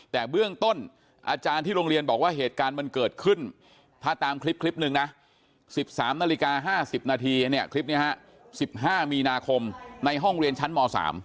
แต่เบื้องต้นอาจารย์ที่โรงเรียนบอกว่าเหตุการณ์มันเกิดขึ้นถ้าตามคลิปหนึ่งนะ๑๓นาฬิกา๕๐นาทีเนี่ยคลิปนี้๑๕มีนาคมในห้องเรียนชั้นม๓